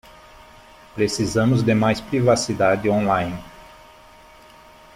Precisamos de mais privacidade online.